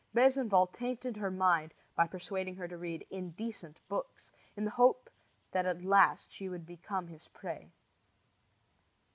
Besenval tainted her mind by persuading her to read indecent books, in the hope that at last she would become his prey.